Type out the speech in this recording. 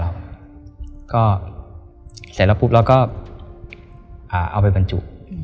ก็เสร็จแล้วปุ๊บเราก็เอาไปบรรจุ